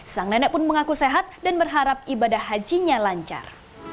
sang nenek pun mengaku sehat dan berharap ibadah hajinya lancar